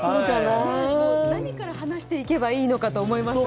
何から話していけばいいのかと思いますが。